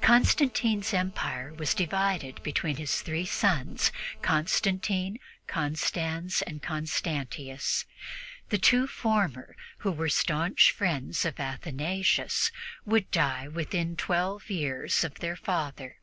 Constantine's empire was divided between his three sons, Constantine, Constans and Constantius. The two former, who were staunch friends of Athanasius, would die within twelve years of their father.